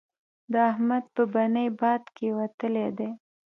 د احمد په بنۍ باد کېوتلی دی.